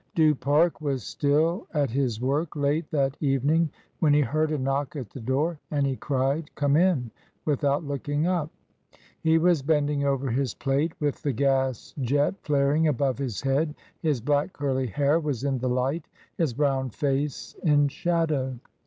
Du Parc was still at his work late that evening when he heard a knock at the door, and he cried "Come in," without looking up. He was bending over his plate with the gas jet flaring above his head, his black curly hair was in the light, his brown face in shadow.